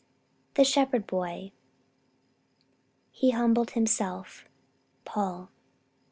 THE SHEPHERD BOY "He humbled Himself." Paul.